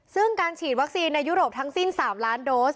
ซึ่งการฉีดวัคซีนในยุโรปทั้งสิ้น๓ล้านโดส